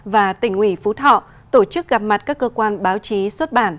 và tỉnh ủy phú thọ tổ chức gặp mặt các cơ quan báo chí xuất bản